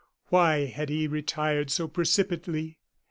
Why had he retired so precipitately?